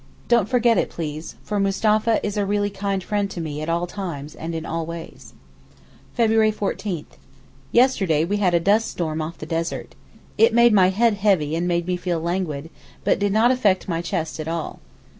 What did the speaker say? Don't forget it, please, for Mustapha is a really kind friend to me at all times and in all ways. February 14th.—Yesterday we had a dust storm off the desert. It made my head heavy and made me feel languid, but did not affect my chest at all.